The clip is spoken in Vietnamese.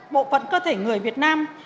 bộ phận cơ thể người việt nam